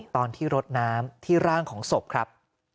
ตอนที่รดน้ำที่ร่างของศพครับ